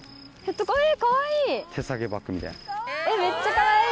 かわいい！